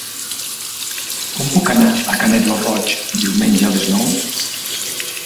Com puc anar a Canet lo Roig diumenge a les nou?